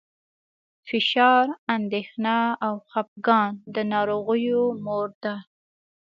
فشار، اندېښنه او خپګان د ناروغیو مور ده.